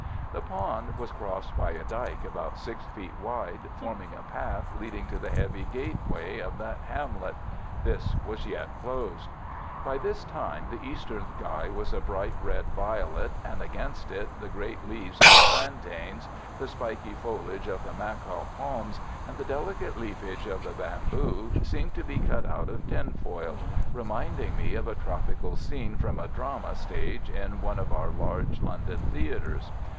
The pond was crossed by a dyke about 6 feet wide, forming a path leading to the heavy gateway of the hamlet. This was yet closed. By this time the eastern sky was a bright red violet, and against it the great leaves of the plantains, the spiky foliage of the macaw palms, and the delicate leafage of the bamboo seemed to be cut out of tinfoil, reminding me of a tropical scene from a drama staged in one of our large London theatres.